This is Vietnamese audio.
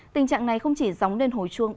tình trạng này không chỉ giống nên hồi chuông